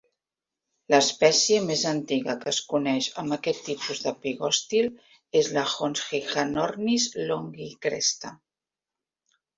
L'espècie més antiga que es coneix amb aquest tipus de pigostil és la "Hongshanornis longicresta".